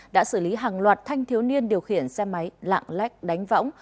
đã xử lý hàng loạt thanh thiếu niên điều khiển xe máy lạng lách đánh võng